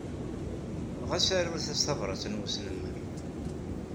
Ɣas arut-as tabṛat n wesnemmer.